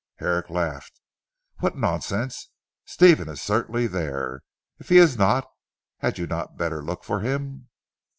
Herrick laughed. "What nonsense! Stephen is certainly there. If he is not, had you not better look for him?"